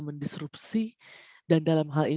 pertama terkait bahwa g tujuh akan merespon